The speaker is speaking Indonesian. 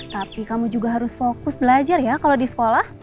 tapi kamu juga harus fokus belajar ya kalau di sekolah